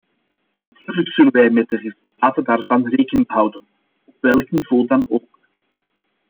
Natuurlijk zullen wij met de resultaten daarvan rekening houden, op welk niveau dan ook.